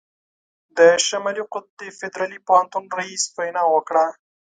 د شمالي قطب د فدرالي پوهنتون رييس وینا وکړه.